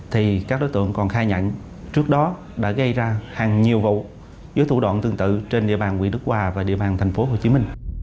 thì các đối tượng còn khai nhận trước đó đã gây ra hàng nhiều vụ dưới thủ đoạn tương tự trên địa bàn quyền đức hòa và địa bàn tp hcm